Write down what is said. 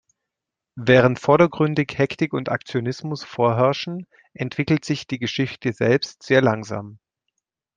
Während vordergründig Hektik und Aktionismus vorherrschen, entwickelt sich die Geschichte selbst sehr langsam.